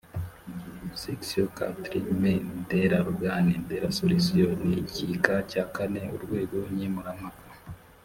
section quatri me de l organe de r solution igika cya kane urwego nkemurampaka